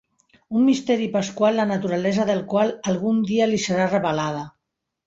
Un misteri pasqual la naturalesa del qual algun dia li serà revelada.